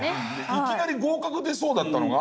いきなり合格が出そうだったのが。